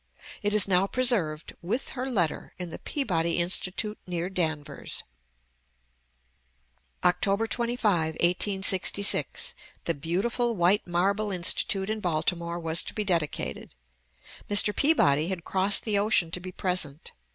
It is now preserved, with her letter, in the Peabody Institute near Danvers. Oct. 25, 1866, the beautiful white marble Institute in Baltimore was to be dedicated. Mr. Peabody had crossed the ocean to be present.